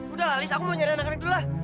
udah lah liz aku mau nyuruh anak anak dulu lah